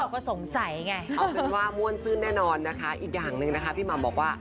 อ๋อใหนจะซี่โค้งพี่ต้องฟูอีกล่ะเธอ